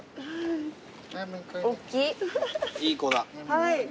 はい。